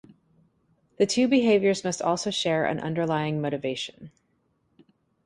The two behaviors must also share an underlying motivation.